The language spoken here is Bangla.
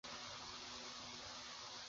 বিনয় কহিল, আজ আমি একলা দাঁড়ালুম।